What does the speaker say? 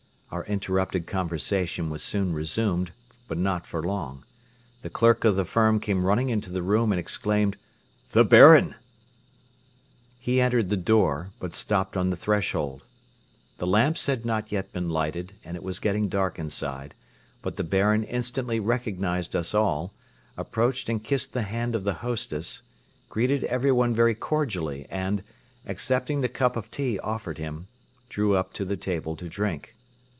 Our interrupted conversation was soon resumed but not for long. The clerk of the firm came running into the room and exclaimed: "The Baron!" He entered the door but stopped on the threshold. The lamps had not yet been lighted and it was getting dark inside, but the Baron instantly recognized us all, approached and kissed the hand of the hostess, greeted everyone very cordially and, accepting the cup of tea offered him, drew up to the table to drink.